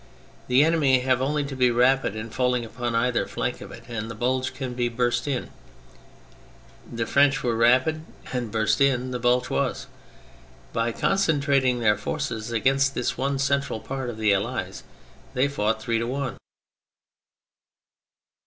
The enemy have only to be rapid in falling upon either flank of it and the bulge can be burst in. The French were rapid, and burst in the bulge was. By concentrating their forces against this one central part of the Allies they fought three to one.